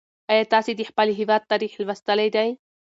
ایا تاسې د خپل هېواد تاریخ لوستلی دی؟